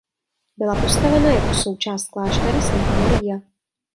Byla postavena jako součást kláštera Santa Maria.